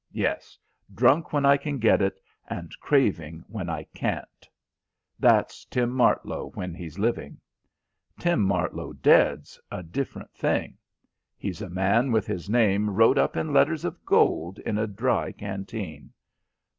Yes, drunk when I can get it and craving when I can't. That's Tim Martlow when he's living. Tim Martlow dead's a different thing. He's a man with his name wrote up in letters of gold in a dry canteen.